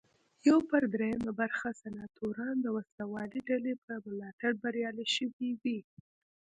یو پر درېیمه برخه سناتوران د وسله والې ډلې په ملاتړ بریالي شوي وي.